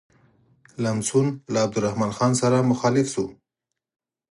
لمسون له عبدالرحمن خان سره مخالف شو.